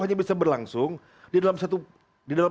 hanya bisa berlangsung di dalam